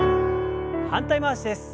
反対回しです。